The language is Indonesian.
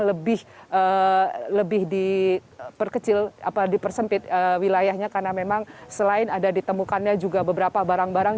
lebih diperkecil dipersempit wilayahnya karena memang selain ada ditemukannya juga beberapa barang barang